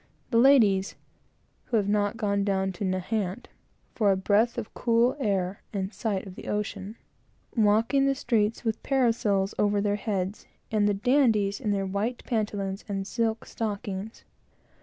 The ladies (who have not gone down to Nahant, for a breath of cool air, and sight of the ocean) walking the streets with parasols over their heads, and the dandies in their white pantaloons and silk stockings!